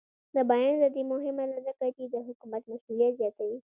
د بیان ازادي مهمه ده ځکه چې د حکومت مسؤلیت زیاتوي.